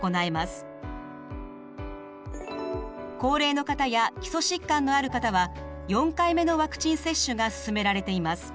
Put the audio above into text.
高齢の方や基礎疾患のある方は４回目のワクチン接種がすすめられています。